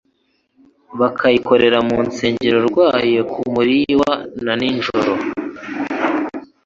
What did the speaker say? bakayikorera mu nsengero rwayo ku mariywa na nijoro.